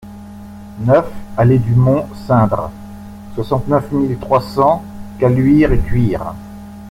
neuf allée du Mont Cindre, soixante-neuf mille trois cents Caluire-et-Cuire